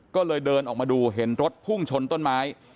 ก็เลยเดินออกมาดูเห็นรถพุ่งชนต้นไม้